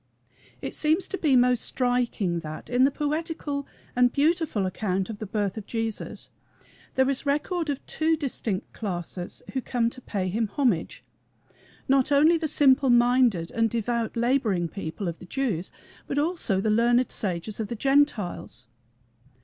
It seems to be most striking that, in the poetical and beautiful account of the birth of Jesus, there is record of two distinct classes who come to pay him homage not only the simple minded and devout laboring people of the Jews, but also the learned sages of the Gentiles.